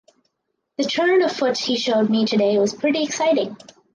The turn of foot he showed me today was pretty exciting.